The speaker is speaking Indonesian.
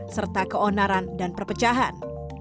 serta keonaran dan perpecahan